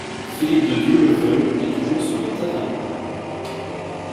Philippe de Dieuleveult est toujours sur le terrain.